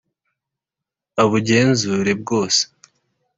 abugenzure bwose